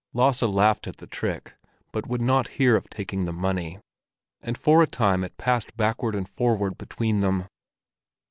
Lasse laughed at the trick, but would not hear of taking the money; and for a time it passed backward and forward between them.